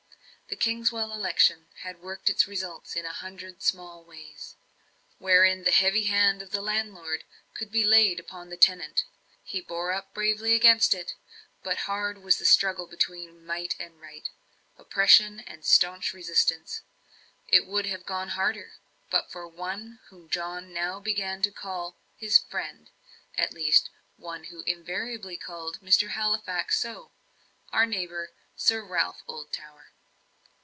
The Kingswell election had worked its results in a hundred small ways, wherein the heavy hand of the landlord could be laid upon the tenant. He bore up bravely against it; but hard was the struggle between might and right, oppression and staunch resistance. It would have gone harder, but for one whom John now began to call his "friend;" at least, one who invariably called Mr. Halifax so our neighbour, Sir Ralph Oldtower.